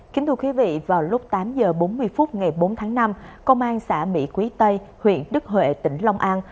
kính thưa quý vị vào lúc tám h bốn mươi phút ngày bốn tháng năm công an xã mỹ quý tây huyện đức huệ tỉnh long an